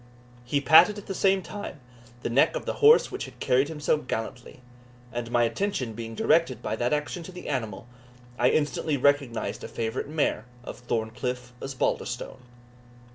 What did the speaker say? He patted at the same time the neck of the horse which had carried him so gallantly; and my attention being directed by that action to the animal, I instantly recognised a favourite mare of Thorncliff Osbaldistone.